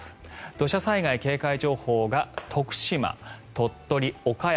土砂災害警戒情報が徳島、鳥取、岡山